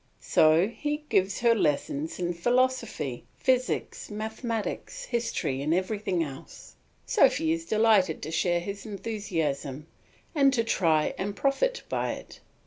So he gives her lessons in philosophy, physics, mathematics, history, and everything else. Sophy is delighted to share his enthusiasm and to try and profit by it.